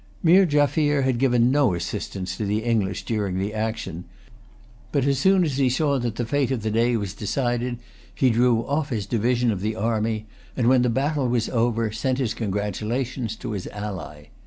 Meer Jaffier had given no assistance to the English during the action. But, as soon as he saw that the fate of the day was decided, he drew off his division of the army, and, when the battle was over, sent his congratulations to his ally.